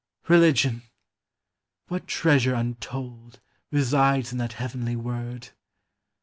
Religion ! what treasure untold Resides in that heavenly word